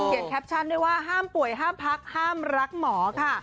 แคปชั่นด้วยว่าห้ามป่วยห้ามพักห้ามรักหมอค่ะ